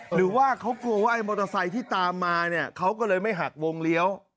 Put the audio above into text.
หรือว่าเขากลัวว่าไอ้มอเตอร์ไซค์ที่ตามมาเนี่ยเขาก็เลยไม่หักวงเลี้ยว